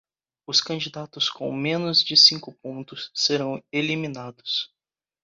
Os candidatos com menos de cinco pontos serão eliminados.